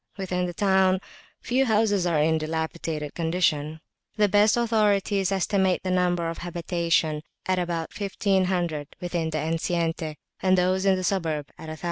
Within the town few houses are in a dilapidated condition. The best authorities estimate the number of habitations at about 1500 within the enceinte, and those in the suburb at 1000.